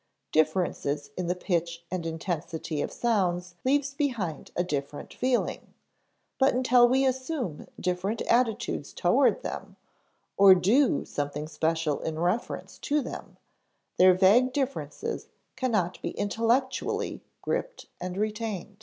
Differences in the pitch and intensity of sounds leave behind a different feeling, but until we assume different attitudes toward them, or do something special in reference to them, their vague difference cannot be intellectually gripped and retained.